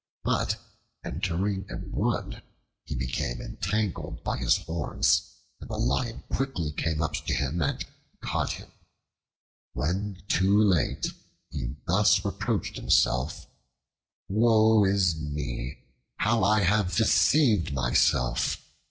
But entering a wood he became entangled by his horns, and the Lion quickly came up to him and caught him. When too late, he thus reproached himself: "Woe is me! How I have deceived myself!